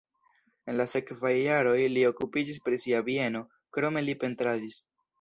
En la sekvaj jaroj li okupiĝis pri sia bieno, krome li pentradis.